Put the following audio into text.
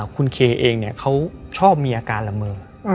คุณเคเองเขาชอบมีอาการละเมอ